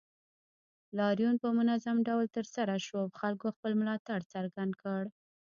لاریون په منظم ډول ترسره شو او خلکو خپل ملاتړ څرګند کړ